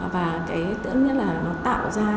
và tưởng như là tạo ra